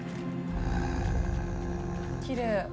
きれい。